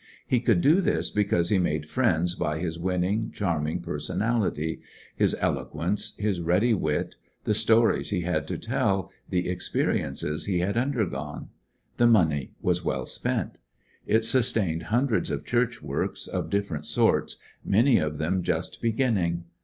He could do this because he made friends by his winning, charming per sonality, his eloquence, his ready wit, the 197 ^coUections of a stories he had to tell, the experiences he had undei^one. The money was well spent. It sustained hundreds of Church works of dif ferent sorts, many of them just beginning.